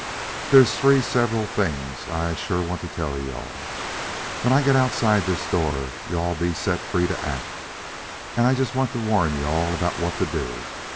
"There's three several things I sure want to tell you all. When I get outside this door, you all'll be set free to act, and I just want to warn you all about what to do.